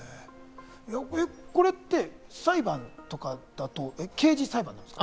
これって裁判とかだと刑事裁判ですか？